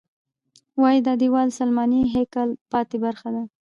وایي دا دیوال د سلیماني هیکل پاتې برخه ده.